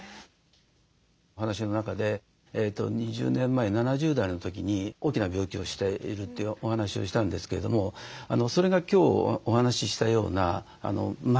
お話の中で２０年前７０代の時に大きな病気をしているってお話をしたんですけれどもそれが今日お話ししたような幕間になってたんじゃないかなと思うんですね。